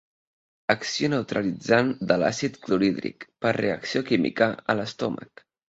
Acció neutralitzant de l'àcid clorhídric per reacció química a l'estómac.